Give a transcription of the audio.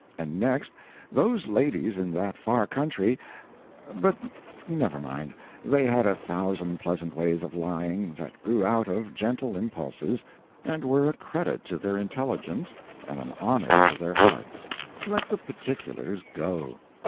And next, those ladies in that far country but never mind, they had a thousand pleasant ways of lying, that grew out of gentle impulses, and were a credit to their intelligence and an honor to their hearts. Let the particulars go.